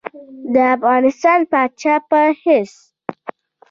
د افغانستان د پاچا په حیث.